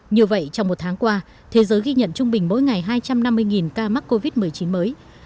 như vậy trong một tháng qua thế giới ghi nhận trung bình mỗi ngày hai trăm năm mươi ca mắc covid một mươi chín mới